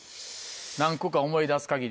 何個か思い出す限り。